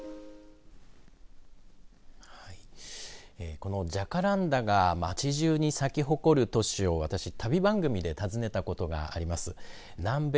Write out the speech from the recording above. このジャカランダが町じゅうに咲き誇る都市を私は番組で尋ねたことがあります。